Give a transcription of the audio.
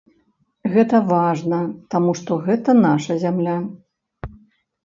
Гэта важна, таму што гэта наша зямля.